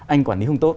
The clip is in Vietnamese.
anh quản lý không tốt